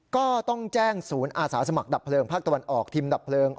ก็ต้องแจ้งศูนย์อาสาสมัครดับเพลิงภาคตะวันออกทีมดับเพลิง